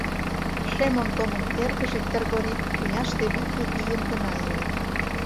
Шем Онтонын эргыже — Кыргори — тӱняште витле ийым гына илен.